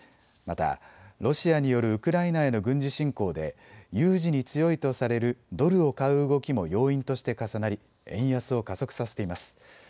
またロシアによるウクライナへの軍事侵攻で有事に強いとされるドルを買う動きも要因として重なり円安を加速させています。